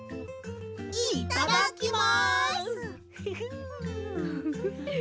いっただきます！